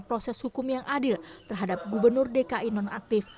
proses hukum yang adil terhadap gubernur dki nonaktif